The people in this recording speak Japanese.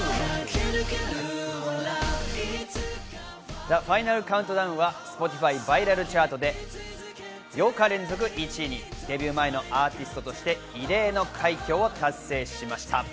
『ＴｈｅＦｉｎａｌＣｏｕｎｔｄｏｗｎ』はＳｐｏｔｉｆｙバイラルチャートで８日連続１位にデビュー前のアーティストとして異例の快挙を達成しました。